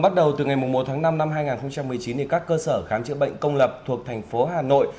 bắt đầu từ ngày một tháng năm năm hai nghìn một mươi chín các cơ sở khám chữa bệnh công lập thuộc thành phố hà nội